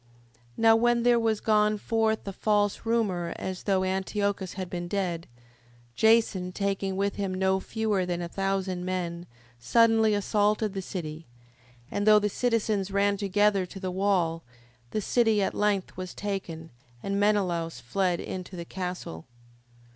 5:5. Now when there was gone forth a false rumour as though Antiochus had been dead, Jason taking with him no fewer than a thousand men, suddenly assaulted the city: and though the citizens ran together to the wall, the city at length was taken, and Menelaus fled into the castle.